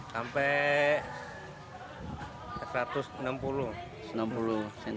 sampai satu ratus enam puluh cm